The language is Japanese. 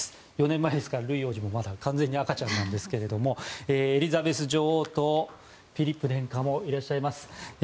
４年前ですから、ルイ王子も完全に赤ちゃんなんですがエリザベス女王とフィリップ殿下もいらっしゃいます。